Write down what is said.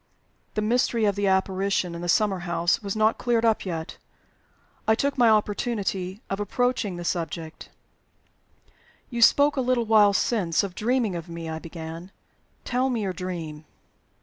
The mystery of the apparition in the summer house was not cleared up yet. I took my opportunity of approaching the subject. "You spoke a little while since of dreaming of me," I began. "Tell me your dream."